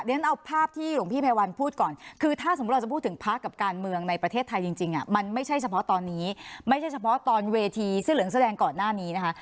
ฉันเอาภาพที่หลวงพี่ภัยวัลพูดก่อนคือถ้าสมมุติเราจะพูดถึงพระกับการเมืองในประเทศไทยจริงมันไม่ใช่เฉพาะตอนนี้ไม่ใช่เฉพาะตอนเวทีเสื้อเหลืองแสดงก่อนหน้านี้นะคะ